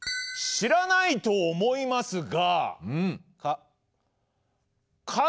知らないと思いますが。